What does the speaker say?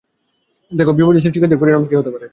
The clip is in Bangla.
দেখ, বিপর্যয় সৃষ্টিকারীদের পরিণাম কি হয়েছিল?